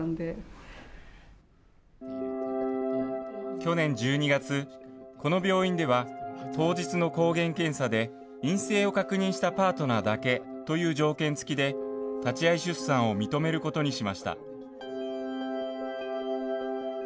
去年１２月、この病院では、当日の抗原検査で陰性を確認したパートナーだけという条件付きで、立ち会い出産を認めることにしました。